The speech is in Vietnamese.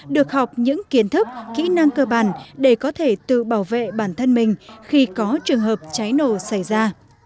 được học những kiến thức kỹ năng cơ bản để có thể tự bảo vệ bản thân mình khi có trường hợp cháy nổ xảy ra